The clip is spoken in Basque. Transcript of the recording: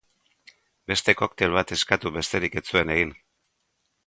Beste koktel bat eskatu besterik ez zuen egin.